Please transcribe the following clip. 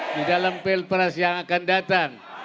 di dalam pilpres yang akan datang